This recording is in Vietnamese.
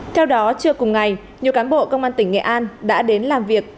theo đó trưa cùng ngày nhiều cán bộ công an tỉnh nghệ an đã đến làm việc